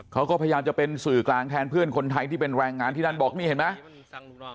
เขาก็พยายามจะเป็นสื่อกลางแทนเพื่อนคนไทยที่เป็นแรงงานที่นั่นบอกนี่เห็นไหม